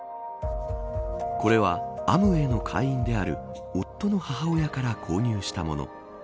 これはアムウェイの会員である夫の母親から購入したもの。